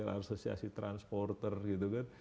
asosiasi transporter gitu kan